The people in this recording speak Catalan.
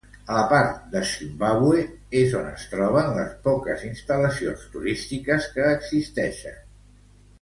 A la part de Zimbàbue és on es troben les poques instal·lacions turístiques que existeixen.